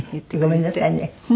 ごめんなさいね。